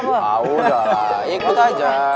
ah udah ikut aja